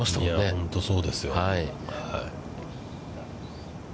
本当にそうですよ。